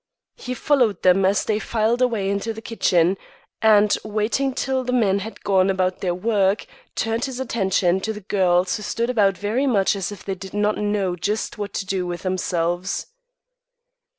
He followed them as they filed away into the kitchen, and, waiting till the men had gone about their work, turned his attention to the girls who stood about very much as if they did not know just what to do with themselves.